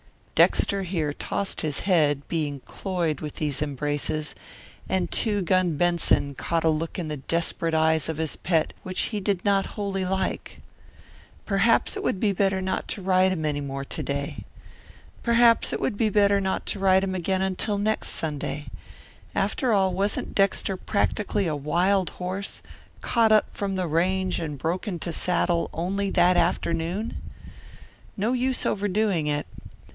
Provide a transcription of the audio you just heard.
Dexter here tossed his head, being cloyed with these embraces, and Two Gun Benson caught a look in the desperate eyes of his pet which he did not wholly like. Perhaps it would be better not to ride him any more to day. Perhaps it would be better not to ride him again until next Sunday. After all, wasn't Dexter practically a wild horse, caught up from the range and broken to saddle only that afternoon? No use overdoing it.